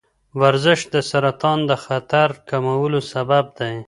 ورزش د سرطان د خطر کمولو سبب دی.